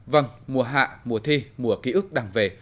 vâng mùa hạ mùa thi mùa ký ức đang về